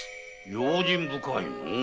用心深いのう。